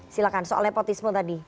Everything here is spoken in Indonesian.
silahkan soal nepotisme tadi